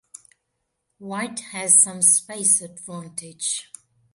White has some space advantage.